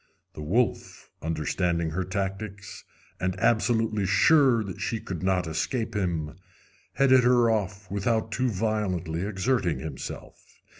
The wolf, understanding her tactics, and absolutely sure that she could not escape him, headed her off without too violently exerting himself.